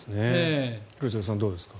廣津留さん、どうですか。